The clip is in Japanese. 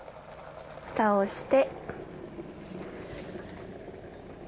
ふたをして。